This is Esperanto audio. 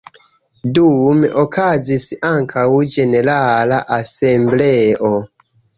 Dume okazis ankaŭ ĝenerala asembleo.